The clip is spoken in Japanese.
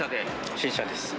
新車です。